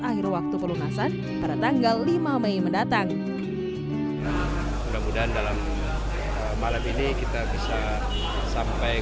akhir waktu pelunasan pada tanggal lima mei mendatang mudah mudahan dalam malam ini kita bisa sampai